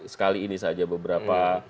sekali ini saja beberapa